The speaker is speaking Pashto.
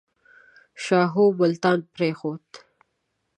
شاهو ملتان پرېښود.